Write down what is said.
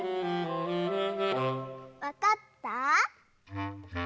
わかった？